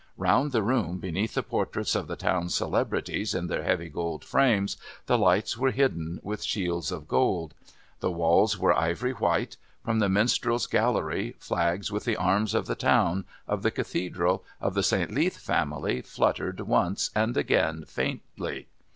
Round the room, beneath the portraits of the town's celebrities in their heavy gold frames, the lights were hidden with shields of gold. The walls were ivory white. From the Minstrels' Gallery flags with the arms of the Town, of the Cathedral, of the St. Leath family fluttered once and again faintly.